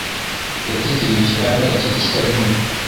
Yategereje hano igihe kitari gito.